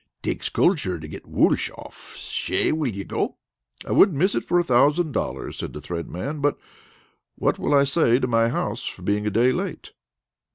Takes culture to get woolsh off. Shay, will you go?" "I wouldn't miss it for a thousand dollars," said the Thread Man. "But what will I say to my house for being a day late?"